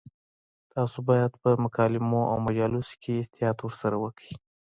تاسو باید په مکالمو او مجالسو کې احتیاط ورسره وکړئ.